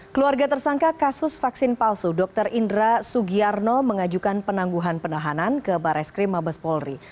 keluarga tersangka kasus vaksin palsu dr indra sugiarno mengajukan penangguhan penahanan ke bares krim mabes polri